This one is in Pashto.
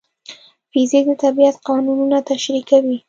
فزیک د طبیعت قانونونه تشریح کوي.